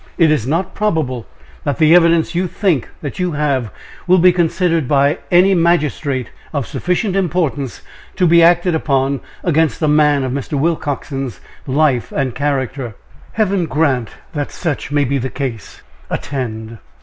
It is not probable that the evidence you think you have will be considered by any magistrate of sufficient importance to be acted upon against a man of Mr. Willcoxen's life and character." "Heaven grant that such may be the case." "Attend!